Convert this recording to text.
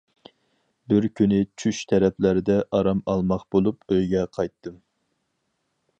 بىر كۈنى چۈش تەرەپلەردە ئارام ئالماق بولۇپ ئۆيگە قايتتىم.